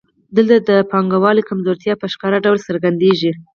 دلته د پانګوال کمزورتیا په ښکاره ډول څرګندېږي